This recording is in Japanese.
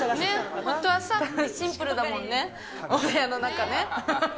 シンプルだもんね、お部屋の中ね。